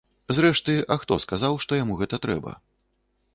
Зрэшты, а хто сказаў, што яму гэта трэба.